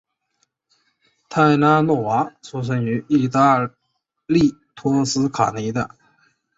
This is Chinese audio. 泰拉诺娃出生于义大利托斯卡尼的。